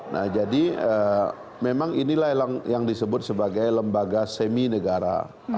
nah jadi memang inilah yang disebut sebagai lembaga seminegara